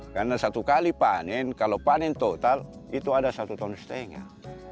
karena satu kali panen kalau panen total itu ada satu ton setengah